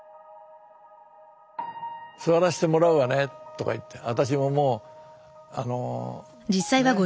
「座らせてもらうわね」とか言って。